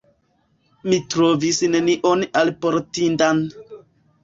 Mi trovis nenion alportindan.